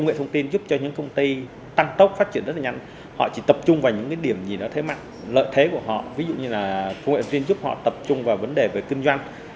ví dụ như là phương ảnh viên giúp họ tập trung vào vấn đề về kinh doanh